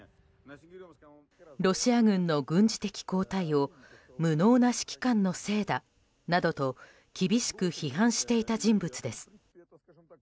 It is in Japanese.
ロシア軍の軍事的後退を無能な指揮官のせいだ、などと厳しく批判していた人物です。